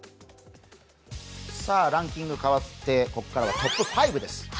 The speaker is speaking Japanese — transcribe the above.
ランキング変わってここからはトップ５です。